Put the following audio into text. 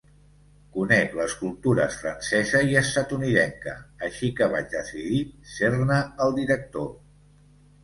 Conec les cultures francesa i estatunidenca, així que vaig decidir ser-ne el director.